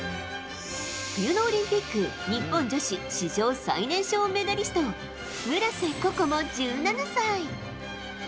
冬のオリンピック日本女子史上最年少メダリスト村瀬心椛、１７歳。